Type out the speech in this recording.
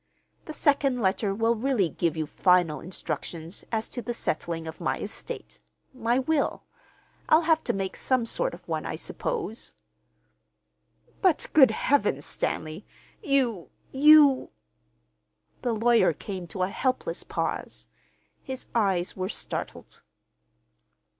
The second letter will really give you final instructions as to the settling of my estate—my will. I'll have to make some sort of one, I suppose." "But, good Heavens, Stanley, you—you—" the lawyer came to a helpless pause. His eyes were startled.